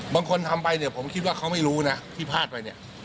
บางคนทำไปเนี่ยผมคิดว่าเขาไม่รู้นะที่พลาดไปเนี่ย